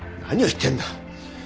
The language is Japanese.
何を言ってんだ！